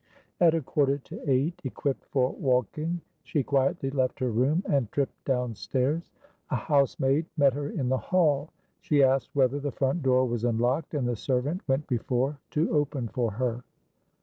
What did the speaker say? At a quarter to eight, equipped for walking, she quietly left her room and tripped down stairs. A housemaid met her in the hall; she asked whether the front door was unlocked, and the servant went before to open for her.